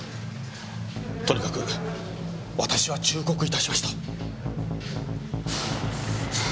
とにかく私は忠告いたしました。